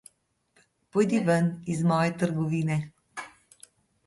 Pojdi ven iz moje trgovine.